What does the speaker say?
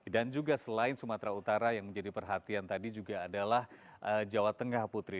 dan juga selain sumatera utara yang menjadi perhatian tadi juga adalah jawa tengah putri